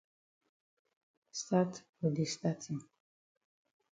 Stat for de statin.